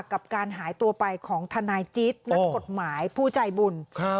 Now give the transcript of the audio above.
กับการหายตัวไปของทนายจิตนักกฎหมายผู้ใจบุญ